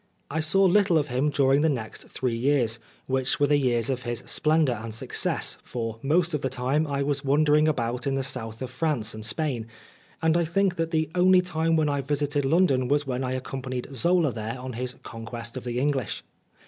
I saw little of him during the next three years, which were the years of his splendour and success, for most of the time I was wandering about in the South of France and Spain, and I think that the only time when I visited London was when I accom 112 Oscar Wilde panied Zola there on his conquest of the English.